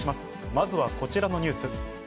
まずはこちらのニュース。